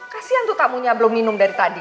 kasian tuh tamunya belum minum dari tadi